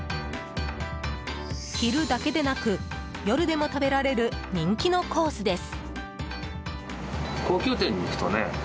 昼だけでなく、夜でも食べられる人気のコースです。